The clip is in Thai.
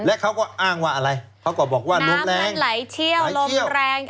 และเขาก็อ้างว่าอะไรเขาก็บอกว่าลมแรงไหลเชี่ยวลมแรง